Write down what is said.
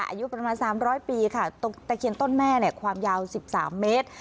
อายุประมาณสามร้อยปีค่ะตะเคียนต้นแม่เนี่ยความยาวสิบสามเมตร